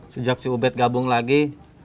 sejak si ubed gabung lagi